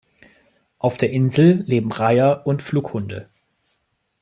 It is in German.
Auf der Insel leben Reiher und Flughunde.